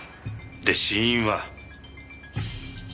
で死因は？